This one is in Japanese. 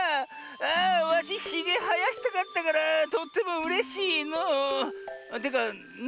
あわしひげはやしたかったからとってもうれしいのう。というかな